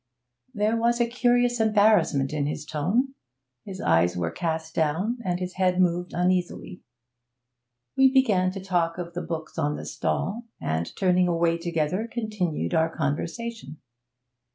There was a curious embarrassment in his tone. His eyes were cast down and his head moved uneasily. We began to talk of the books on the stall, and turning away together continued our conversation.